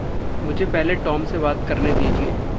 मुझे पहले टॉम से बात करने दीजिए।